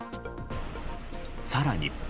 更に。